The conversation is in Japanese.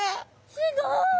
すごい！